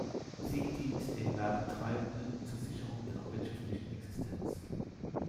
Sie dient den Werbetreibenden zur Sicherung ihrer wirtschaftlichen Existenz.